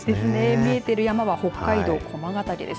見えてる山は北海道駒ヶ岳です。